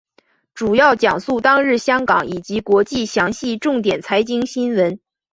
主要讲述当日香港以及国际详细重点财经新闻。